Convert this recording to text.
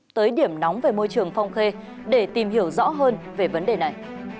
tới điểm nóng về môi trường phong khê để tìm hiểu rõ hơn về vấn đề này